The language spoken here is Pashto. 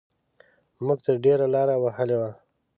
موږ تر ډېره لاره وهلې وه.